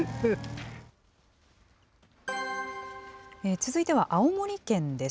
続いては青森県です。